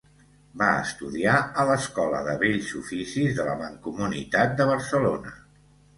Va estudiar a l'Escola de Bells Oficis de la Mancomunitat de Barcelona.